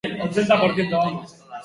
Hemen giroa berotzen ari da.